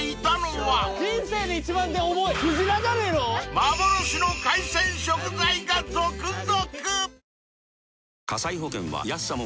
［幻の海鮮食材が続々］